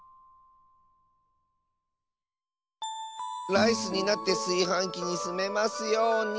ライスになってすいはんきにすめますように。